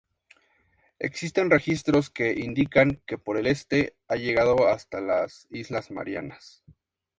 Existen registros que indican que por el este ha llegado hasta las islas Marianas.